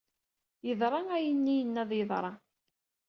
Yeḍra ayenni yenna ad yeḍra.